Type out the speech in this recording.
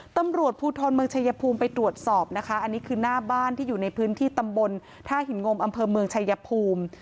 ตำรวจภูทรเมืองชายภูมิไปตรวจสอบนะคะอันนี้คือหน้าบ้านที่อยู่ในพื้นที่ตำบลท่าหินงมอำเภอเมืองชายภูมิ